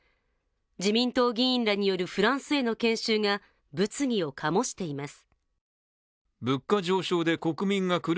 自民党議員らによるフランスへの研修が物議を醸しています。